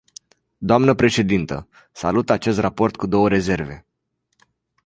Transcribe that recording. Doamnă președintă, salut acest raport cu două rezerve.